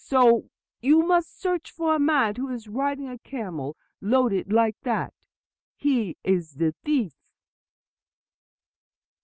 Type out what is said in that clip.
So you must search for a man who is riding a camel loaded like that. He is the thief."